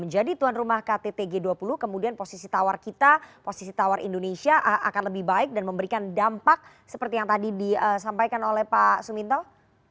jadi tuan rumah kttg dua puluh kemudian posisi tawar kita posisi tawar indonesia akan lebih baik dan memberikan dampak seperti yang tadi disampaikan oleh pak sumintel